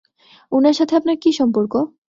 উনার সাথে আপনার কী সম্পর্ক?